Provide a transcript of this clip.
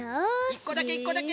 １こだけ１こだけ！